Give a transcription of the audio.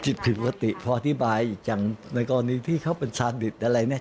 ผิดปกติพออธิบายอีกอย่างในกรณีที่เขาเป็นชาดิตอะไรเนี่ย